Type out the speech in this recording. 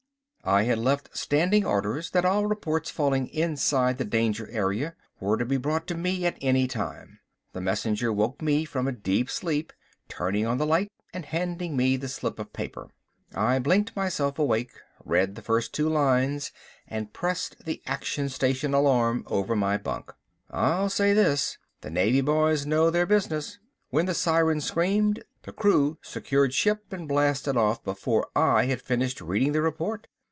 I had left standing orders that all reports falling inside the danger area were to be brought to me at any time. The messenger woke me from a deep sleep, turning on the light and handing me the slip of paper. I blinked myself awake, read the first two lines, and pressed the action station alarm over my bunk. I'll say this, the Navy boys know their business. When the sirens screamed, the crew secured ship and blasted off before I had finished reading the report.